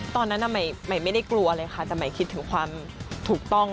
ตอนนั้นหมายไม่ได้กลัวเลยค่ะแต่หมายคิดถึงความถูกต้อง